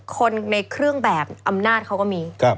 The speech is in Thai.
คนในเครื่องแบบอำนาจเขาก็มี